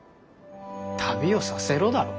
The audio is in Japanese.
「旅をさせろ」だろ。